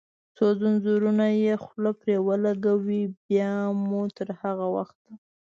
څو زنځیرونه یې خوله پرې ولګوي، بیا مو تر هغه وخت.